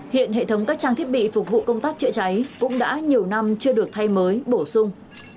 hiện hệ thống các trang thiết bị phục vụ công tác chữa cháy cũng đã nhiều năm chưa được thay mới bổ sung